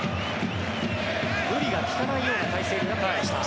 無理が利かないような体勢になってきました。